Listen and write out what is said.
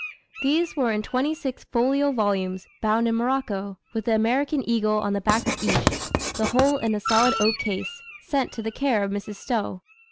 These were in twenty six folio volumes, bound in morocco, with the American eagle on the back of each, the whole in a solid oak case, sent to the care of Mrs. Stowe.